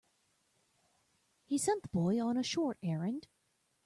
He sent the boy on a short errand.